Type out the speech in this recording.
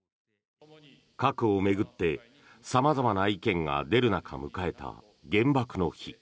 核を巡って様々な意見が出る中迎えた原爆の日。